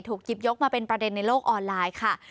หยิบยกมาเป็นประเด็นในโลกออนไลน์ค่ะ